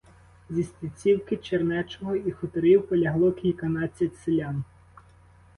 Зі Стецівки, Чернечого і хуторів полягло кільканадцять селян.